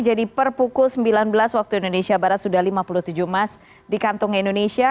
jadi per pukul sembilan belas waktu indonesia barat sudah lima puluh tujuh emas di kantung indonesia